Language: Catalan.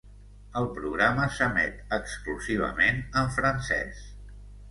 El programa s'emet exclusivament en francès.